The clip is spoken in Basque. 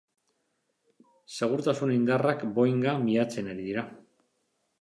Segurtasun indarrak boeinga miatzen ari dira.